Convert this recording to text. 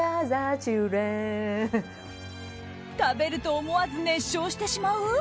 食べると思わず熱唱してしまう？